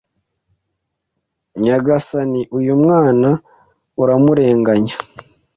Nyagasani uyu mwana uramurenganya